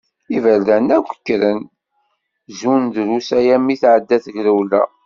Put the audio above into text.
Iberdan akk kkren, zun drus aya mi tɛedda tegrewla.